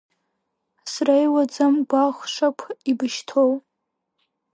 Среиуаӡам гәаӷшақә ибышьҭоу…